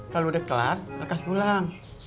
kalau udah kelar lekas pulang